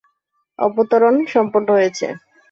অবতরণ সম্পন্ন হয়েছে।